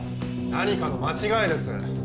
何かの間違いです